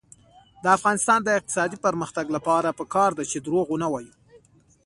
د افغانستان د اقتصادي پرمختګ لپاره پکار ده چې دروغ ونه وایو.